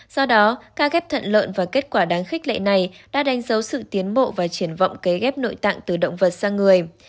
do đó ca ghép thận lợn và kết quả đáng khích lệ này đã đánh dấu sự tiến bộ và triển vọng kế ghép nội tạng từ động vật sang người